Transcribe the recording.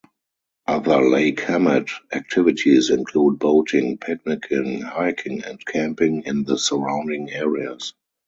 Other Lake Hemet activities include boating, picnicking, hiking, and camping in the surrounding areas.